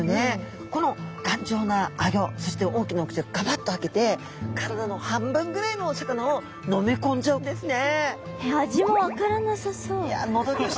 この頑丈なあギョそして大きなお口をがばっと開けて体の半分ぐらいのお魚を飲み込んじゃうんですね。